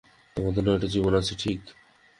তোমাদের নয়টা জীবন আছে, ঠিক?